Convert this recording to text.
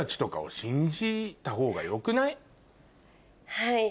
はい。